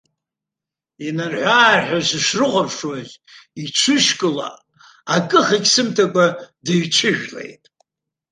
Инарҳәы-аарҳәуа сышрыхәаԥшуаз, иҽышькыл акыхагьы сымҭакәа, дыҩҽыжәлеит.